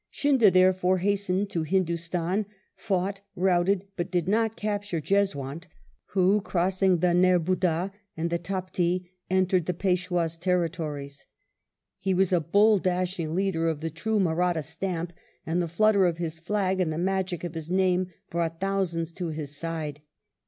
Scindia, therefore, hastening to Hindustan, fought, routed, but did not capture Jeswunt, who, crossing the Nerbudda and the Taptee, entered the Peishwah's terrifories. He wa« a bold dashing leader of the true Mahratta stamp, and the flutter of his flag and the magic of his name broa^t thousands to his side.